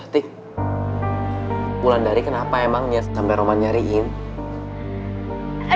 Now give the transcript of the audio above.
tih wulan dari kenapa emang nyet sampai roman nyariin aduh sayang ngapain sih kita jadi ngomongin si wulan sama si roman